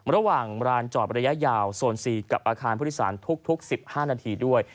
ระหว่างร้านจอดระยะยาวโซน๔กับอาคารผู้โดยสารทุก๑๕นาทีด้วย